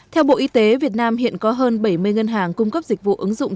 theo bộ y tế việt nam hiện có hơn bảy mươi ngân hàng cung cấp dịch vụ ứng dụng